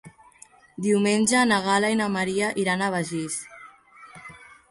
Diumenge na Gal·la i na Maria iran a Begís.